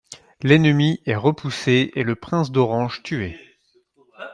L'ennemi est repoussé et le prince d'Orange tué.